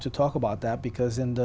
có ai có câu hỏi